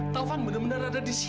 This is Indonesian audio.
taufan benar benar ada di sini